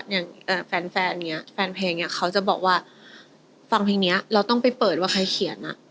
อย่างแฟนเพลงเขาจะบอกว่าฟังเพลงนี้เราต้องไปเปิดว่าใครเขียนอะ